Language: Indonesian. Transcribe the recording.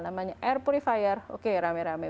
namanya air purifier oke rame rame